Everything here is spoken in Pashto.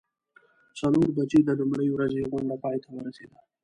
څلور بجې د لومړۍ ورځې غونډه پای ته ورسیده.